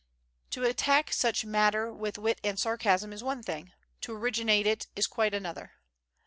To attack such matter with wit and sarcasm is one thing; to originate it is quite another.